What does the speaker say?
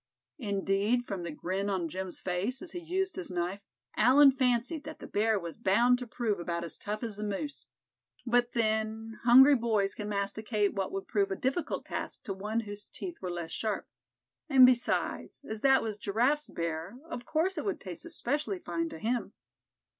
Indeed, from the grin on Jim's face, as he used his knife, Allan fancied that the bear was bound to prove about as tough as the moose. But then, hungry boys can masticate what would prove a difficult task to one whose teeth were less sharp; and besides, as that was Giraffe's bear; of course it would taste especially fine to him.